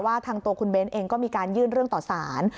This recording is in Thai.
ทางตัวคุณเบ้นเองก็มีการยื่นเรื่องต่อสาร